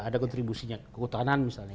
ada kontribusinya kekutanan misalnya